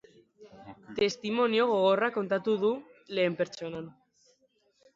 Testimonio gogorra kontatuko du, lehen pertsonan.